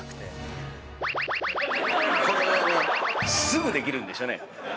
すぐできるんでしょうね。